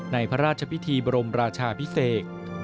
พระราชพิธีบรมราชาพิเศษ